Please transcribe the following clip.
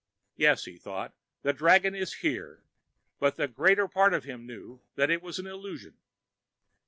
Yes, he thought, the dragon is here. But the greater part of him knew that it was an illusion.